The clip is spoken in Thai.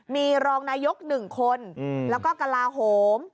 มีรองนายก๑คนแล้วก็กระลาโหม